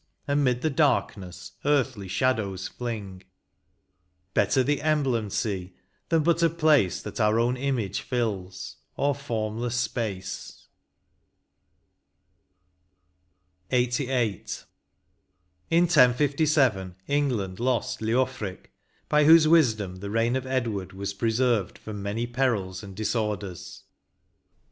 And 'mid the darkness earthly shadows fling ; Better the emblem see, than but a place That our own image fills — or formless space. 176 LXXXVIII. "In 1057 England lost Leofric, by whose wisdom the reign of Edward was preserved from many perils and disorders.